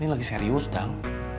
ini lagi serius dang